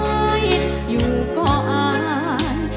ขอบคุณครับ